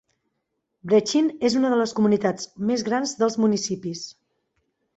Brechin és una de les comunitats més grans dels municipis.